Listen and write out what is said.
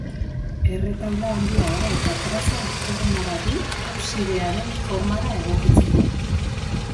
Erretaula handia da eta traza oktogonala du absidearen formara egokitzeko.